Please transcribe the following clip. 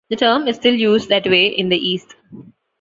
The term is still used that way in the East.